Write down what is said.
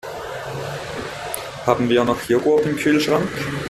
Haben wir noch Joghurt im Kühlschrank?